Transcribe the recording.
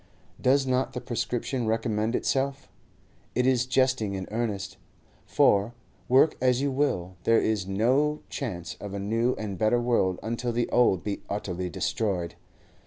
Does not the prescription recommend itself? It is jesting in earnest. For, work as you will, there is no chance of a new and better world until the old be utterly destroyed.